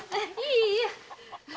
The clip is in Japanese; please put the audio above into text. いいえ。